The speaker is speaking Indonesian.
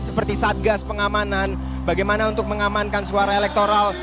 seperti satgas pengamanan bagaimana untuk mengamankan suara elektoral